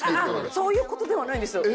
そういうことではないんですよ。